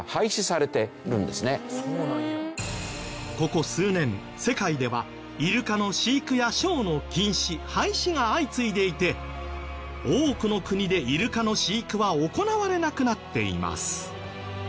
ここ数年世界ではイルカの飼育やショーの禁止廃止が相次いでいて多くの国でイルカの飼育は行われなくなっています。